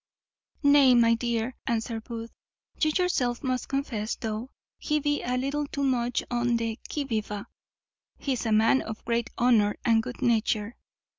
"Nay, my dear," answered Booth, "you yourself must confess, though he be a little too much on the qui vive, he is a man of great honour and good nature."